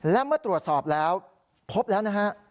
และเมื่อตรวจสอบแล้วพบแล้วนะฮะ